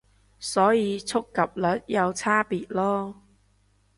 所以觸及率有差別囉